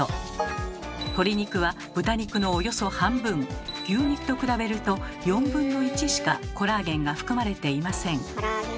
鶏肉は豚肉のおよそ半分牛肉と比べると４分の１しかコラーゲンが含まれていません。